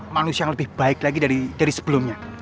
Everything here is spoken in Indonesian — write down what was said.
manusia yang lebih baik lagi dari sebelumnya